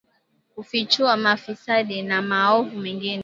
kufichua mafisadi na maovu mengine